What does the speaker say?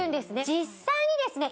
実際にですね